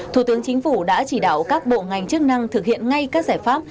thủ tướng chính phủ đã chỉ đạo các bộ ngành chức năng thực hiện ngay các giải pháp